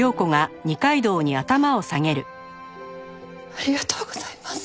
ありがとうございます！